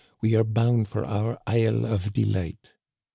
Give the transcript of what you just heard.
We are bound for our isle of delight.